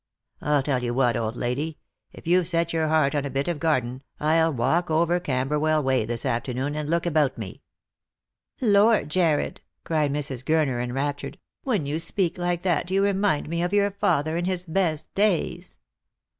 I'll tell you what, old lady, if you've set your heart on a bit of garden, I'll walk over Cam berwell way this afternoon, and look about me." " Lor, Jarred," cried Mrs. Gurner, enraptured, " when you speak like that you remind me of your father in his best days!"